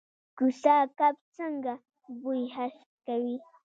کوسه کب څنګه بوی حس کوي؟